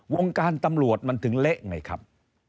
วงการตำรวจมันถึงเละไงครับ